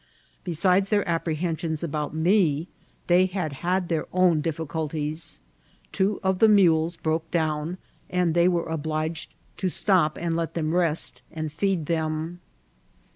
Besides their ap prehensions about me, they had had their own difficul ties; two of the mules iHroke down, and they were obliged to stop and let them rest, and feed them.